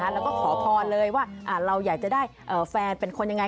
แล้วก็ขอพรเลยว่าเราอยากจะได้แฟนเป็นคนยังไง